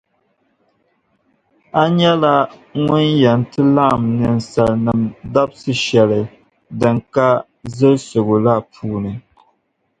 A nyɛla Ŋun yɛn ti laɣim ninsalinim’ dabsi’ shεli din ka zilsigu la puuni.